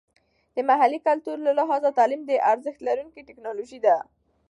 د محلي کلتور له لحاظه تعلیم د ارزښت لرونکې ټیکنالوژي ده.